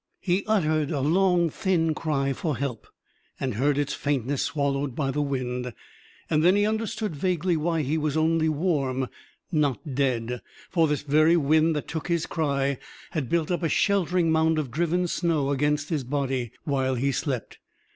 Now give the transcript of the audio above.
He uttered a long, thin cry for help, and heard its faintness swallowed by the wind. And then he understood vaguely why he was only warm not dead. For this very wind that took his cry had built up a sheltering mound of driven snow against his body while he slept.